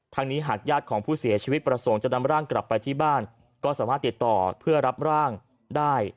นี้หากญาติของผู้เสียชีวิตประสงค์จะนำร่างกลับไปที่บ้านก็สามารถติดต่อเพื่อรับร่างได้